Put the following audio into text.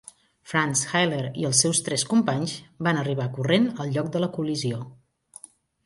Franz Hailer i els seus tres companys van arribar corrent al lloc de la col·lisió.